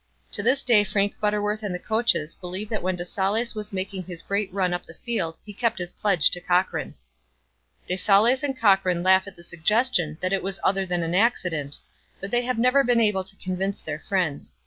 To this day Frank Butterworth and the coaches believe that when de Saulles was making his great run up the field he kept his pledge to Cochran. De Saulles and Cochran laugh at the suggestion that it was other than an accident, but they have never been able to convince their friends.